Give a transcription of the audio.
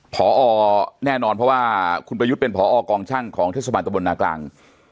พอแน่นอนเพราะว่าคุณประยุทธ์เป็นผอกองช่างของเทศบาลตะบลนากลาง